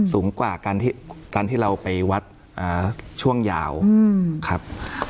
สูงกว่าการที่เราไปวัดช่วงยาวครับ